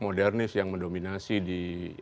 modernis yang mendominasi di